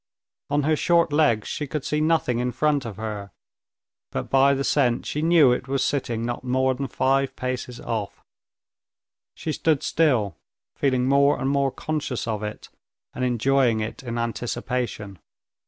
On her short legs she could see nothing in front of her, but by the scent she knew it was sitting not more than five paces off. She stood still, feeling more and more conscious of it, and enjoying it in anticipation.